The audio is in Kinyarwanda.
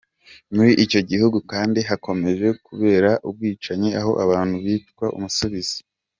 Muri icyo gihugu kandi hakomeje kubera ubwicanyi aho abantu bicwa umusubizo.